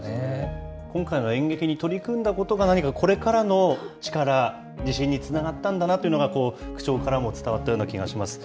今回の演劇に取り組んだことが、何かこれからの力、自信につながったんだなというのが口調からも伝わったような気がします。